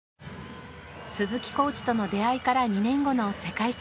鈴木コーチとの出会いから２年後の世界水泳。